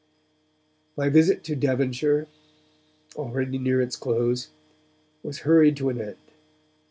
My visit to Devonshire, already near its close, was hurried to an end.